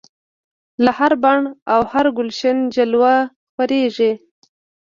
له هر بڼ او هر ګلشن جلوه خپریږي